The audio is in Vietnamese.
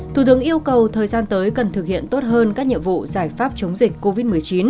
thủ tướng yêu cầu thời gian tới cần thực hiện tốt hơn các nhiệm vụ giải pháp chống dịch covid một mươi chín